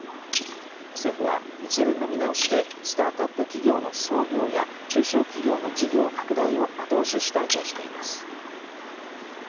政府は一連の見直しで、スタートアップ企業の創業や、中小企業の事業拡大を後押ししたいとしています。